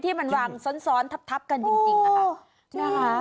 ที่มันวางซ้อนทับกันจริงนะคะ